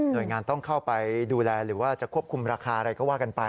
โดยงานต้องเข้าไปดูแลหรือว่าจะควบคุมราคาอะไรก็ว่ากันไป